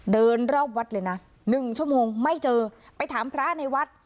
เดินรอบวัดเลยนะ๑ชั่วโมงไม่เจอไปถามพระในวัด